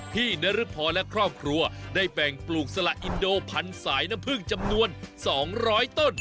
พี่นรึกพรและครอบครัวได้แปลงปลูกสละอินโดพันสายน้ำพึ่งจำนวนสองร้อยต้น